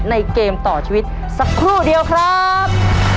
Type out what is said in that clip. เกมต่อชีวิตสักครู่เดียวครับ